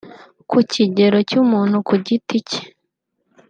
Ku kigero cy’umuntu ku giti cye